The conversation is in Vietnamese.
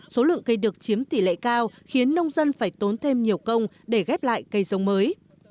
số lượng cây được chiếm tỷ lệ cao khiến nông dân phải tốn thêm nhiều công để ghép lại cây giống mới